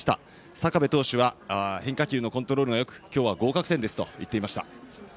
坂部投手は変化球のコントロールがよく今日は合格点ですと言っていました。